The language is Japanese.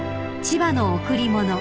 ［『千葉の贈り物』］